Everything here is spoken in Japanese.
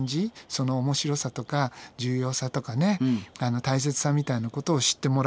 その面白さとか重要さとかね大切さみたいなことを知ってもらおうっていうね